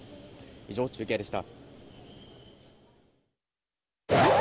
以上、中継でした。